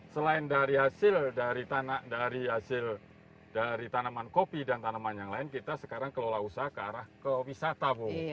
selain dari hasil dari tanaman kopi dan tanaman yang lain kita sekarang kelola usaha ke arah kewisata bu